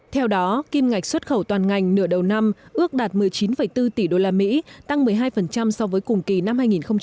theo đó kim ngạch xuất khẩu toàn ngành nửa đầu năm ước đạt một mươi chín bốn tỷ usd tăng một mươi hai so với cùng kỳ năm hai nghìn một mươi chín